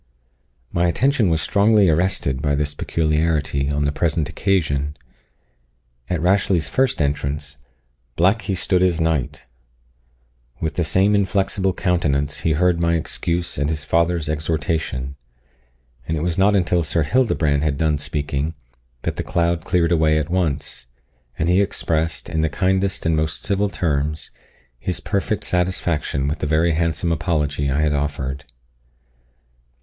My attention was strongly arrested by this peculiarity on the present occasion. At Rashleigh's first entrance, "black he stood as night!" With the same inflexible countenance he heard my excuse and his father's exhortation; and it was not until Sir Hildebrand had done speaking, that the cloud cleared away at once, and he expressed, in the kindest and most civil terms, his perfect satisfaction with the very handsome apology I had offered.